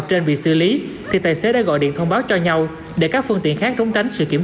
trên bị xử lý thì tài xế đã gọi điện thông báo cho nhau để các phương tiện khác trốn tránh sự kiểm